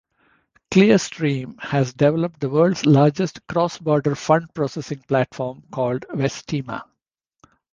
Clearstream has developed the world's largest cross-border fund processing platform, called Vestima.